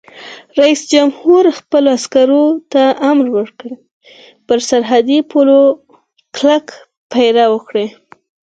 رئیس جمهور خپلو عسکرو ته امر وکړ؛ پر سرحدي پولو کلک پیره وکړئ!